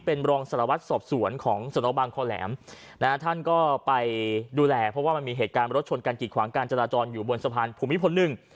เป็นรองสารวัตรสอบสวนของสนบางคอแหลมนะฮะท่านก็ไปดูแลเพราะว่ามันมีเหตุการณ์รถชนกันกิดขวางการจราจรอยู่บนสะพานภูมิพลหนึ่ง